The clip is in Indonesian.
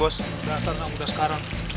udah serna muda sekarang